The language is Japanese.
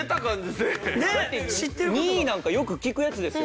だって２位なんかよく聞くやつですよ。